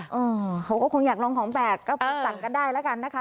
เขาก็คงอยากลองของแปลกก็สั่งกันได้แล้วกันนะคะ